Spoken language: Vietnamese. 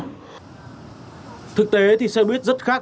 thực tế thì xe buýt rất khác với các loại hình vận tải công cộng khác